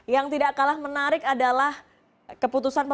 yang tidak kalah menarik adalah keputusan pemerintah